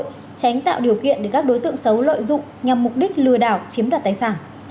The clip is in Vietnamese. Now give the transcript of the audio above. tránh tạo điều kiện để các đối tượng xấu lợi dụng nhằm mục đích lừa đảo chiếm đoạt tài sản